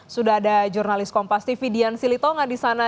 sudah ada jurnalis kompas tv dian silitonga di sana